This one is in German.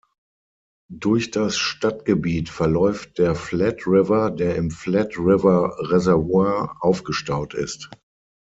Durch das Stadtgebiet verläuft der Flat River, der im "Flat River Reservoir" aufgestaut ist.